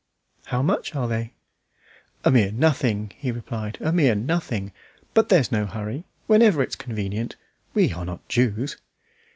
"How much are they?" "A mere nothing," he replied, "a mere nothing. But there's no hurry; whenever it's convenient. We are not Jews."